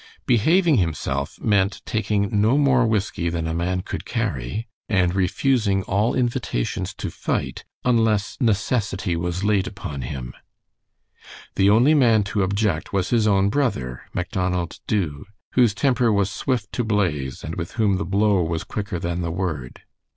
"Behaving himself" meant taking no more whiskey than a man could carry, and refusing all invitations to fight unless "necessity was laid upon him." The only man to object was his own brother, Macdonald Dubh, whose temper was swift to blaze, and with whom the blow was quicker than the word.